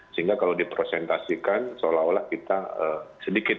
sehingga kalau dipresentasikan seolah olah kita sedikit